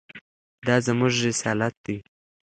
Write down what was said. دا زموږ رسالت دی.